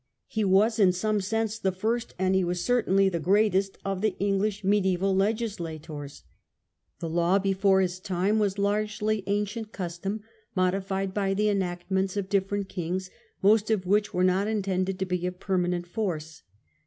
He was in some sense the first and he was certainly the greatest of the English medieval legislators. The law before his time was largely ancient custom, modified by the enactments of different kings, most of which were not intended to be of permanent force.